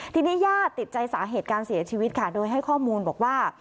ทีนี้ญาติติดใจสาเหตุการเสียชีวิตค่ะโดยให้ข้อมูลบอกว่า